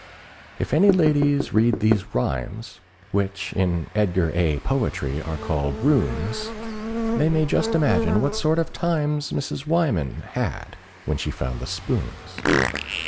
If any ladies read these rhymes, Which in Edgar A. Poetry are called "runes," They may just imagine what sort of times Mrs. Wyman had when she found the spoons!